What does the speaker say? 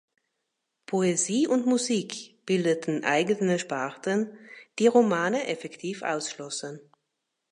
Poesie und Musik bildeten eigene Sparten, die Romane effektiv ausschlossen.